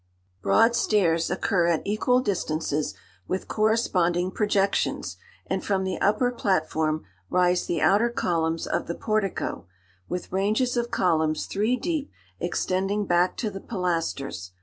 Broad stairs occur at equal distances, with corresponding projections, and from the upper platform rise the outer columns of the portico, with ranges of columns three deep extending back to the pilasters.